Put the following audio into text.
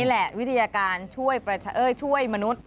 แหละวิทยาการช่วยประชาเอ้ยช่วยมนุษย